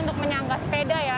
ini juga dianggap sepeda ya